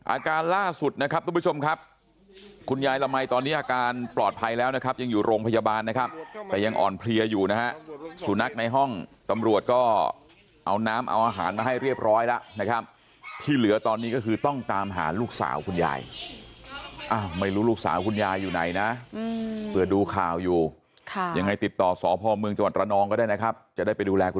อาการล่าสุดนะครับทุกผู้ชมครับคุณยายละมัยตอนนี้อาการปลอดภัยแล้วนะครับยังอยู่โรงพยาบาลนะครับแต่ยังอ่อนเพลียอยู่นะฮะสุนัขในห้องตำรวจก็เอาน้ำเอาอาหารมาให้เรียบร้อยแล้วนะครับที่เหลือตอนนี้ก็คือต้องตามหาลูกสาวคุณยายอ้าวไม่รู้ลูกสาวคุณยายอยู่ไหนนะเผื่อดูข่าวอยู่ค่ะยังไงติดต่อสพเมืองจังหวัดระนองก็ได้นะครับจะได้ไปดูแลก